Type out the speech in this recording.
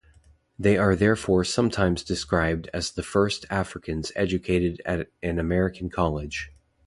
They are therefore sometimes described as the first Africans educated at an American college.